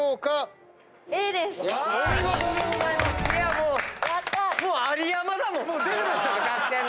もう有山だもん。